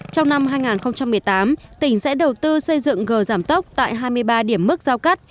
trong năm hai nghìn một mươi tám tỉnh sẽ đầu tư xây dựng gờ giảm tốc tại hai mươi ba điểm mức giao cắt